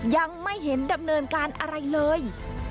ยังไม่เห็นดำเนินการอะไรเลย